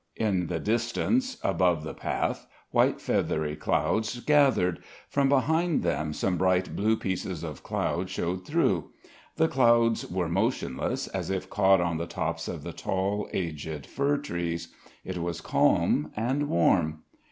In the distance, above the path, white feathery clouds gathered; from behind them some bright blue pieces of cloud showed through. The clouds were motionless, as if caught on the tops of the tall, aged fir trees. It was calm and warm.